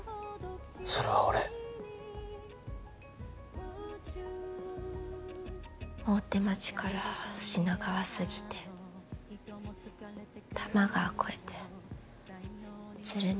それは俺大手町から品川すぎて多摩川越えて鶴見